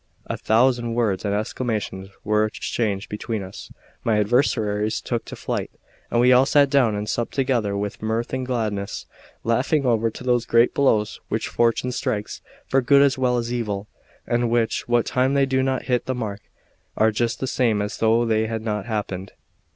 A thousand words and exclamations were exchanged between us; my adversaries took to flight; and we all sat down and supped together with mirth and gladness, laughing over those great blows which fortune strikes, for good as well as evil, and which, what time they do not hit the mark, are just the same as though they had not happened.